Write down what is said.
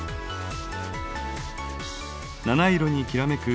七色にきらめく